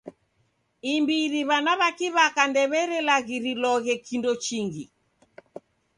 Imbiri w'ana w'a kiw'aka ndew'erelaghiriloghe kindo chingi.